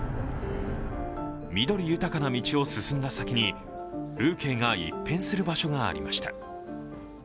緑豊かな道を進んだ先に風景が一変する場所がありました。